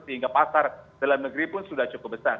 sehingga pasar dalam negeri pun sudah cukup besar